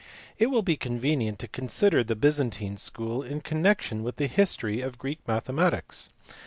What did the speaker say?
IT will be convenient to consider the Byzantine school in. connection with the history of Greek mathematics.